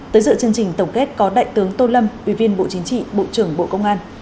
tới dựa chương trình tổng kết có đại tướng tô lâm ubnd bộ trưởng bộ công an